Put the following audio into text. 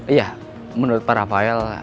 iya menurut raffael